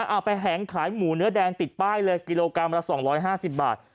เอาไปแหงขายหมูเนื้อแดงติดป้ายเลยกิโลกรัมละ๒๕๐บาท